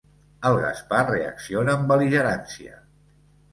El Gaspar reacciona amb bel·ligerància.